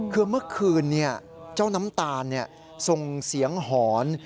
คือเมื่อคืนเจ้าน้ำตาลส่งเสียงหอน